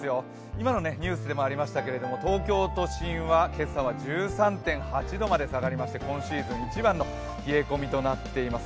今のニュースでもありましたけど東京都心は今朝は１３．８度まで下がりまして今シーズン一番の冷え込みとなっています。